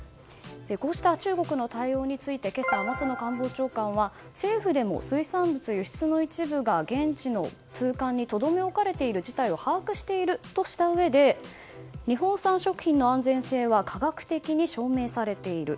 こうした中国の対応について今朝、松野官房長官は政府でも水産物輸出の一部が現地の通関に留め置かれている事態を把握しているとしたうえで日本産食品の安全性は科学的に証明されている。